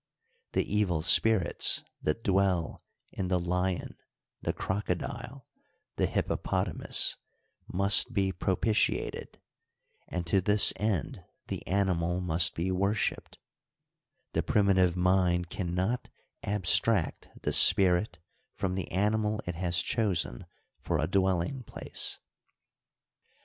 The evil spirits that dwell in the lion, the crocodile, the hippopotamus, roust be propitiated, and to this end the animal must be worshiped; the primitive mind can not abstract the spirit from the animal it has chosen.for a dwelling place.